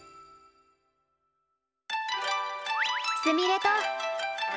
すみれと。